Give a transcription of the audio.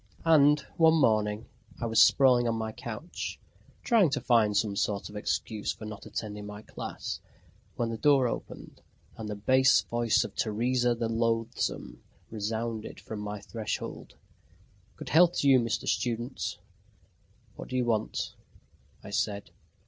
And one morning I was sprawling on my couch, trying to find some sort of excuse for not attending my class, when the door opened, and the bass voice of Teresa the loathsome resounded from my threshold: "Good health to you, Mr. Student!" "What do you want?" I said.